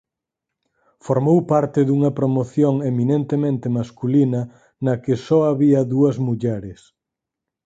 Formou parte dunha promoción eminentemente masculina na que so había dúas mulleres.